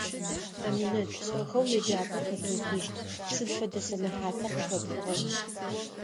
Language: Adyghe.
Аминэт, шӀэхэу еджапӀэр къэтыухыщт, сыд фэдэ сэнэхьата къыхэпхыгъэр?